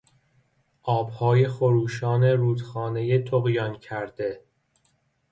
آبهای خروشان رودخانهی طغیان کرده